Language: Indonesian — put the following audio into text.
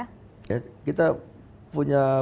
kita punya perkebunan sawit yang cukup besar